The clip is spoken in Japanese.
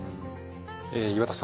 え岩田さん